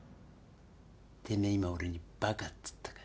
てめえ今俺にバカっつったか？